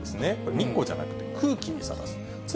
日光じゃなく、空気にさらす。